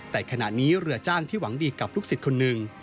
แต่ขณะนี้เรือจ้างที่หวังดีกับลูกศิษย์คนหนึ่ง